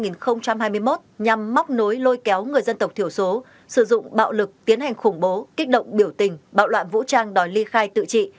năm hai nghìn hai mươi một nhằm móc nối lôi kéo người dân tộc thiểu số sử dụng bạo lực tiến hành khủng bố kích động biểu tình bạo loạn vũ trang đòi ly khai tự trị